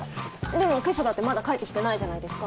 でも今朝だってまだ帰ってきてないじゃないですか。